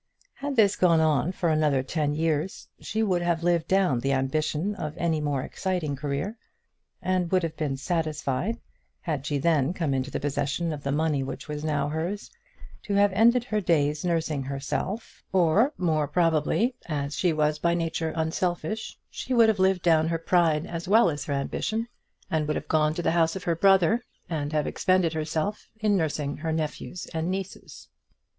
Had this gone on for another ten years she would have lived down the ambition of any more exciting career, and would have been satisfied, had she then come into the possession of the money which was now hers, to have ended her days nursing herself or more probably, as she was by nature unselfish, she would have lived down her pride as well as her ambition, and would have gone to the house of her brother and have expended herself in nursing her nephews and nieces.